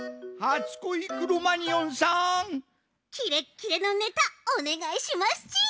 キレッキレのネタおねがいしますち。